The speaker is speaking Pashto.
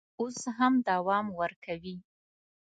اوس هم دوام ورکوي.